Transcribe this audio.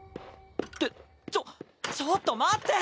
ってちょちょっと待って！